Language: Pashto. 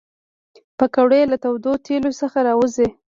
پکورې له تودو تیلو څخه راوزي